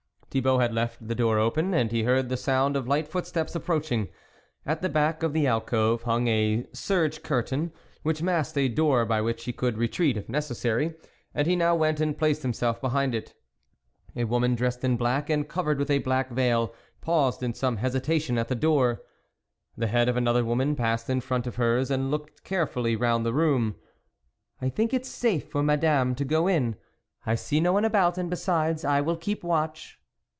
Thibault had left the door open, and he heard the sound of light footsteps approaching; at the back of the alcove hung a serge curtain, which masked a door by which he could retreat, if neces sary, and he now went and placed himself behind it. A woman dressed in black, and covered with a black veil, paused in some hesitation at the door. The head of another woman passed in front of her's and looked carefully round the room. " I think it is safe for Madame to go in ; I see no one about, and besides, I will keep watch."